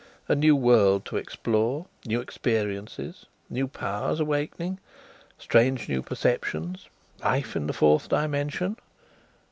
A new world to explore, new experiences, new powers awakening; strange new perceptions; life in the fourth dimension.